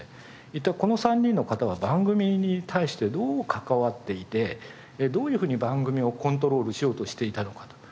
一体この３人の方は番組に対してどう関わっていてどういうふうに番組をコントロールしようとしていたのかと。